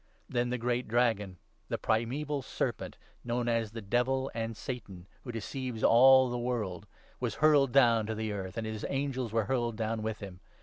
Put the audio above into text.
Then the 9 great Dragon, the primeval Serpent, known as the ' Devil ' and ' Satan,' who deceives all the world, was hurled down to the earth, and his angels were hurled down with him.